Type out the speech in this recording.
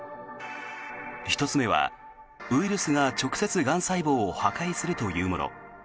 １つ目はウイルスが直接がん細胞を破壊するというもの。